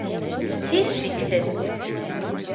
Һис шикһеҙ